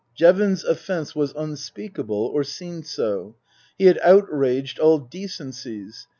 Jevons's offence was unspeakable, or seemed so. He had outraged all decencies.